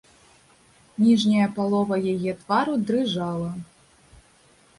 Ніжняя палова яе твару дрыжала.